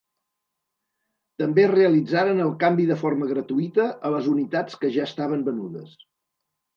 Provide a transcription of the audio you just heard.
També realitzaren el canvi de forma gratuïta a les unitats que ja estaven venudes.